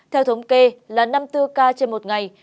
theo thống kê là năm mươi bốn ca trên một ngày